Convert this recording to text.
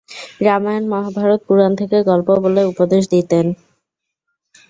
রামায়ণ, মহাভারত, পুরাণ থেকে গল্প বলে উপদেশ দিতেন।